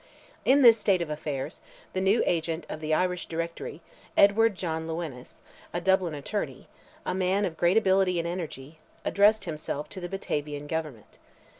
In this state of affairs, the new agent of the Irish Directory, Edward John Lewines, a Dublin attorney, a man of great ability and energy, addressed himself to the Batavian government.